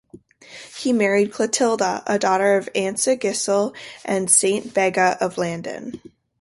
He married Clotilda, a daughter of Ansegisel and Saint Begga of Landen.